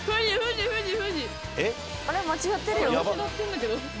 えっ？あれ間違ってるよ。